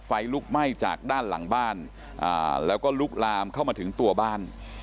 ไฟลุกไหม้จากด้านหลังบ้านแล้วก็ลุกลามเข้ามาถึงตัวบ้าน